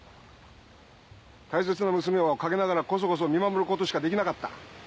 大切な娘を陰ながらこそこそ見守ることしかできなかった。